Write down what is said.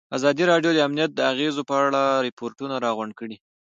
ازادي راډیو د امنیت د اغېزو په اړه ریپوټونه راغونډ کړي.